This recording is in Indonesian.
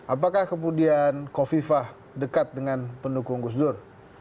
apakah kemudian kofifah dekat dengan pendukung gus dur